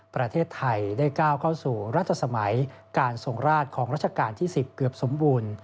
ประเทศไทยได้ก้าวเข้าสู่รัชสมัยการทรงราชของรัชกาลที่๑๐เกือบสมบูรณ์